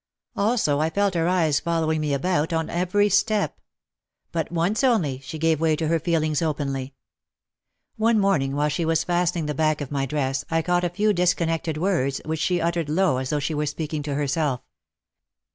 Also I felt her eyes following me about on every step. But once only, she gave way to her feelings openly. One morning while she was fastening the back of my dress I caught a few disconnected words, which she uttered low as though she were speaking to herself.